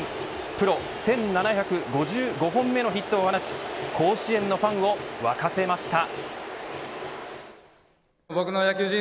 プロ、１７５５本目のヒットを放ち甲子園のファンを沸かせました。